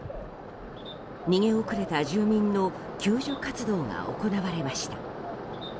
逃げ遅れた住民の救助活動が行われました。